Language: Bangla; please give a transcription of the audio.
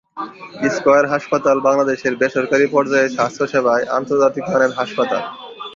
স্কয়ার হাসপাতাল বাংলাদেশের বেসরকারি পর্যায়ে স্বাস্থ্যসেবায় আন্তর্জাতিক মানের হাসপাতাল।